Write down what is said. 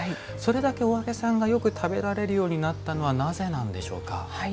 それだけお揚げさんがよく食べられるようになったのはなぜなんでしょうか？